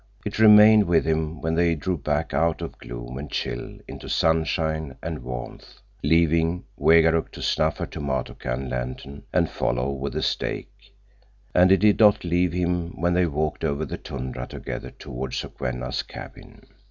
It remained with him when they drew back out of gloom and chill into sunshine and warmth, leaving Wegaruk to snuff her tomato can lantern and follow with the steak, and it did not leave him when they walked over the tundra together toward Sokwenna's cabin.